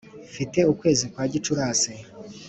mfite ukwezi kwa gicurasi